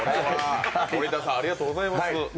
森田さん、ありがとうございます。